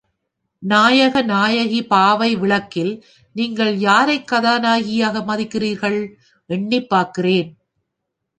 நாயக நாயகி பாவை விளக்கில் நீங்கள் யாரைக் கதாநாயகியாக மதிக்கிறீர்கள்? எண்ணிப் பார்க்கிறேன்.